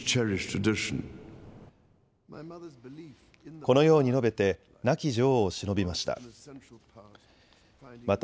このように述べて亡き女王をしのびました。